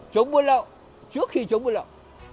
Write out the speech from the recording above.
chống buôn lậu trước khi chống buôn lậu